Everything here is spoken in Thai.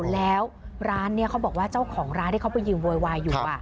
แล้วร้านนี้เขาบอกว่าเจ้าของร้านที่เขาไปยืนโวยวายอยู่